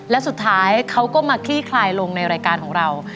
และสุดท้ายเขาก็มาคลี่คลายลงในรายการของเรา